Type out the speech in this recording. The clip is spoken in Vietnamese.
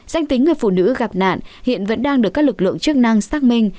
danh tính người phụ nữ gặp nạn hiện vẫn đang được các lực lượng chức năng xác minh